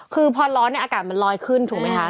คือพอร้อนเนี่ยอากาศมันลอยขึ้นถูกไหมคะ